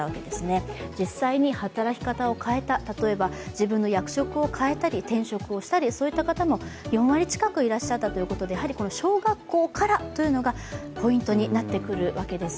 自分の役職を変えたり転職をしたりそういった方も４割近くいらしたということで小学校からというのがポイントになってくるわけです。